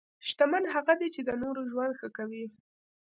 شتمن هغه دی چې د نورو ژوند ښه کوي.